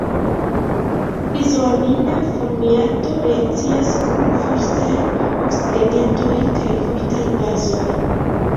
Izoamila formiato reakcias kun fortaj oksidigagentoj kaj fortaj bazoj.